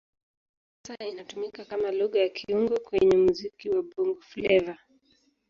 Kwa sasa inatumika kama Lugha ya kiungo kwenye muziki wa Bongo Flava.